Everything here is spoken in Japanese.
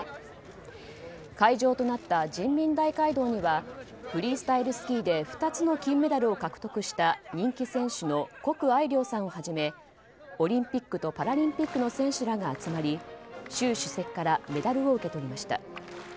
会場となった人民大会堂にはフリースタイルスキーで２つの金メダルを獲得した人気選手のコク・アイリョウさんをはじめオリンピックとパラリンピックの選手らが集まり習主席からメダルを受け取りました。